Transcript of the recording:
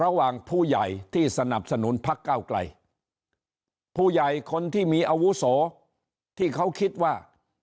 ระหว่างผู้ใหญ่ที่สนับสนุนพักเก้าไกลผู้ใหญ่คนที่มีอาวุโสที่เขาคิดว่า